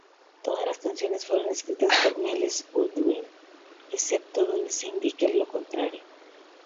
Todas las canciones fueron escritas por Myles Goodwyn, excepto donde se indique lo contrario